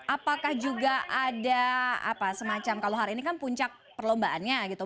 apakah juga ada apa semacam kalau hari ini kan puncak perlombaannya gitu